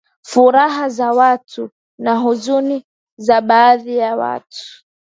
furaha za watu na huzuni za baadhi ya watu